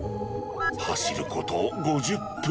走ること５０分。